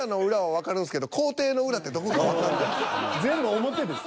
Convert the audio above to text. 全部表です。